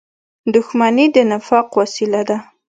• دښمني د نفاق وسیله ده.